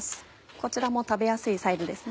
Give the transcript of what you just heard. こちらも食べやすいサイズですね。